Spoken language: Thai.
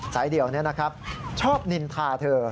เดี่ยวนี้นะครับชอบนินทาเธอ